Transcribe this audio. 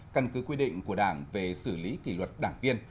căn cứ quy định của đảng về xử lý kỷ luật đảng viên